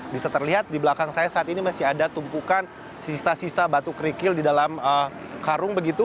bisa terlihat di belakang saya saat ini masih ada tumpukan sisa sisa batu kerikil di dalam karung begitu